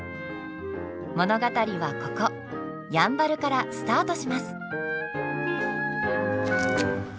物語はここやんばるからスタートします！